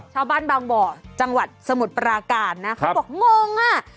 ชาวบ้านบางบ่อจังหวัดสมุทรปราการนะเขาบอกงงอ่ะ